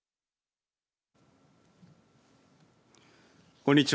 こんにちは。